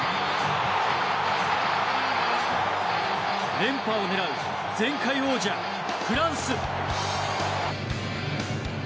連覇を狙う前回王者フランス。